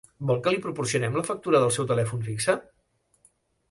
Vol que li proporcionem la factura del seu telèfon fixe?